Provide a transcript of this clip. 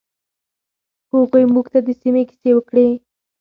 هغوی موږ ته د سیمې کیسې وکړې.